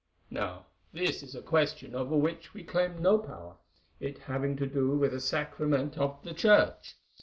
Now this is a question over which we claim no power, it having to do with a sacrament of the Church.